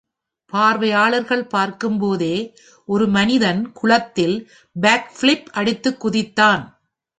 பார்வையாளர்கள் பார்க்கும் போதே ஒரு மனிதன் குளத்தில் back flip அடித்து குதித்தான்.